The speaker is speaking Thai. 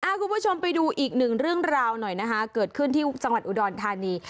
คุณผู้ชมไปดูอีกหนึ่งเรื่องราวหน่อยนะคะเกิดขึ้นที่จังหวัดอุดรธานี